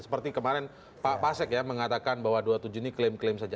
seperti kemarin pak pasek ya mengatakan bahwa dua puluh tujuh ini klaim klaim saja